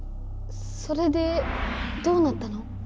それでどうなったの？